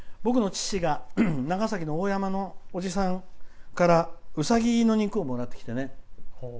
僕の父が長崎の大山のおじさんからウサギの肉をもらってきてね。